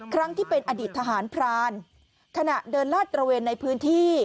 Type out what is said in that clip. ครั้งที่เป็นอดีตทหารพรานขณะเดินลาดตระเวนในพื้นที่